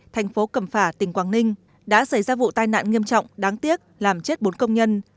thành phố cẩm phả tỉnh quảng ninh đã xảy ra vụ tai nạn nghiêm trọng đáng tiếc làm chết bốn công nhân